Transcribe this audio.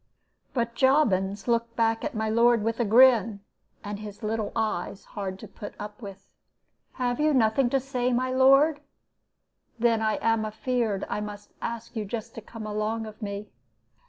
"But Jobbins looked back at my lord with a grin, and his little eyes, hard to put up with. 'Have you nothing to say, my lord? Then I am afeared I must ask you just to come along of me.'